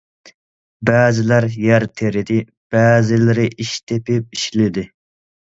بەزىلەر يەر تېرىدى، بەزىلىرى ئىش تېپىپ ئىشلىدى.